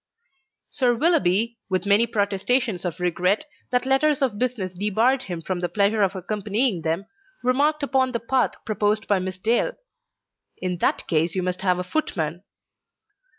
Sir Willoughby, with many protestations of regret that letters of business debarred him from the pleasure of accompanying them, remarked upon the path proposed by Miss Dale, "In that case you must have a footman."